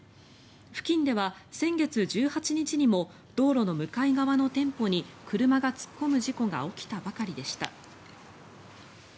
付近では先月１８日にも道路の向かい側の店舗に車が突っ込む事故が起きたばかりでした。